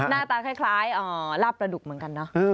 หน้าตาคล้ายลาบประดุกเหมือนกันเนอะ